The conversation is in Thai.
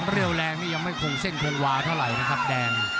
เรี่ยวแรงนี่ยังไม่คงเส้นคงวาเท่าไหร่นะครับแดง